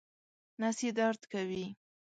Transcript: نس یې درد کوي